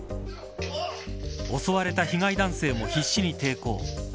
襲われた被害男性も必死に抵抗。